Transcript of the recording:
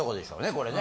これね。